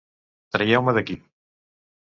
Traieu-me d'aquí!